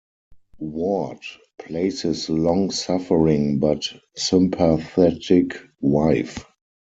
Ward plays his long-suffering but sympathetic wife.